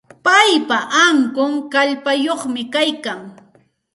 Paypa ankun kallpayuqmi kaykan.